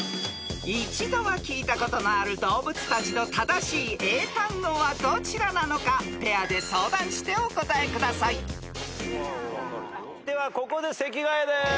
［一度は聞いたことのある動物たちの正しい英単語はどちらなのかペアで相談してお答えください］ではここで席替えです。